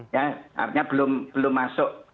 ya artinya belum masuk